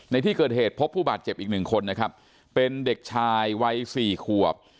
ในที่เกิดเหตุพบผู้บาดเจ็บอีกหนึ่งคนนะครับเป็นเด็กชายวัยสี่ขวบ